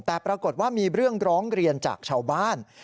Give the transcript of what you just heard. แต่ปรากฏว่ามีเรื่องร้องเรียนจากชาวบ้าน